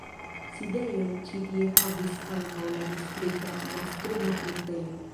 Sidejon ĉi tie havis ankaŭ la Distrikta mastruma pruntejo.